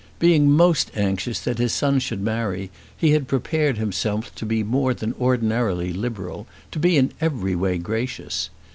Being most anxious that his son should marry he had prepared himself to be more than ordinarily liberal, to be in every way gracious.